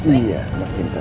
iya pembek pinter